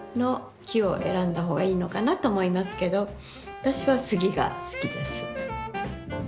私は杉が好きです。